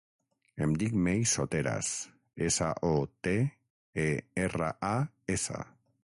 Em dic Mei Soteras: essa, o, te, e, erra, a, essa.